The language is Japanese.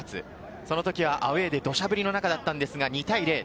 その時はアウェーで土砂降りの中だったんですが、２対０。